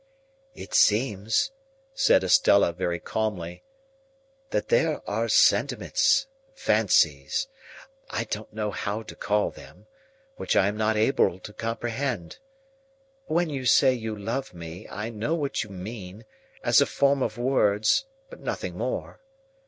"It seems," said Estella, very calmly, "that there are sentiments, fancies,—I don't know how to call them,—which I am not able to comprehend. When you say you love me, I know what you mean, as a form of words; but nothing more.